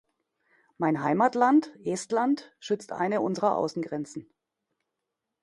Mein Heimatland, Estland, schützt eine unserer Außengrenzen.